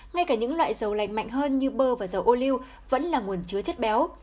ngay cả những loại dầu lành mạnh hơn như bơ và dầu ô lưu vẫn là nguồn chứa chất béo